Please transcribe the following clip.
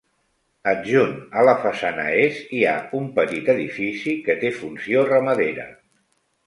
Adjunt a la façana est, hi ha un petit edifici, que té funció ramadera.